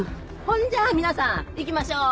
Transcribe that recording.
ほんじゃあ皆さん行きましょう。